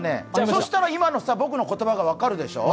そしたら今の僕の言葉が分かるでしょう？